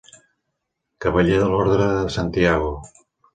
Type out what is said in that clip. Cavaller de l'Orde de Santiago.